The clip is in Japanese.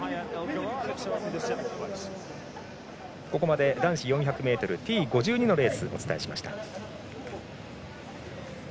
ここまで男子４００ｍＴ５２のレースをお伝えしました。